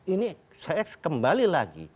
ini saya kembali lagi